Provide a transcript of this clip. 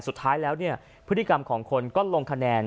สุดท้ายแล้วเนี่ยพฤติกรรมของคนก็ลงคะแนน